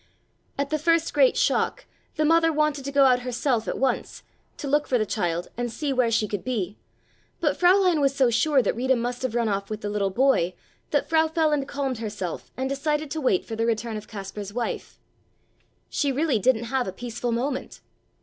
At the first great shock the mother wanted to go out herself at once, to look for the child and see where she could be, but Fräulein was so sure that Rita must have run off with the little boy that Frau Feland calmed herself and decided to wait for the return of Kaspar's wife. She really didn't have a peaceful moment.